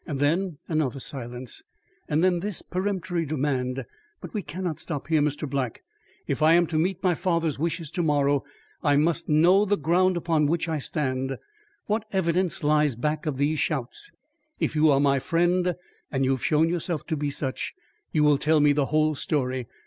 Then another silence, and then this peremptory demand: "But we cannot stop here, Mr. Black. If I am to meet my father's wishes to morrow, I must know the ground upon which I stand. What evidence lies back of these shouts? If you are my friend, and you have shown yourself to be such, you will tell me the whole story.